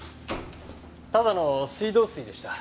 ただの水道水でした。